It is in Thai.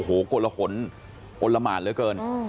โอ้โหกละหละขนอ้นละหมานเลยเกิน